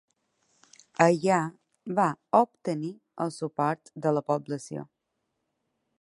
Allà va obtenir el suport de la població.